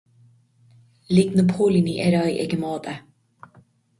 Lig na póilíní ar aghaidh ag an mbád é.